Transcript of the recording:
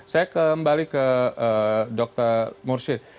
saya kembali ke dr mursyid